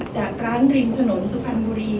จากร้านริมถนนสุพรรณบุรี